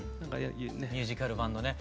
ミュージカル版のね。